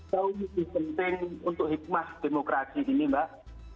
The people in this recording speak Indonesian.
soal yang lebih penting untuk hikmah demokrasi ini mbak